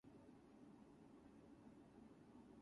Unglazed wares are similarly austere.